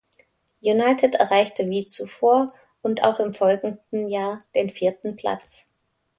United erreichte wie zuvor und auch im folgenden Jahr den vierten Platz.